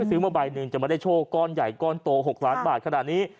ซื้อมาใบหนึ่งจะไม่ได้โชคก้อนใหญ่ก้อนโต๖ล้านบาทขนาดนี้